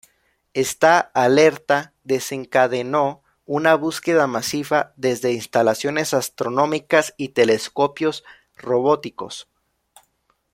Esta alerta desencadenó una búsqueda masiva desde instalaciones astronómicas y telescopios robóticos.